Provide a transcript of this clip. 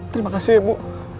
terima kasih bu